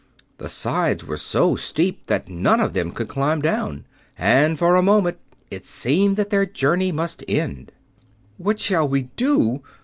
The sides were so steep that none of them could climb down, and for a moment it seemed that their journey must end. "What shall we do?"